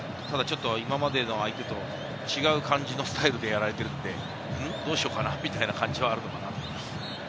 ただ、今までの相手と違う感じのスタイルでやられているので、どうしようかなみたいな感じはあるのかな？